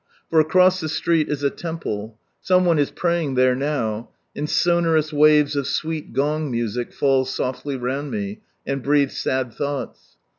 For across the street is a temple, some one is praying there now, and sonorous waves of sweet gong music fait softly round me, and breathe sad thoughts.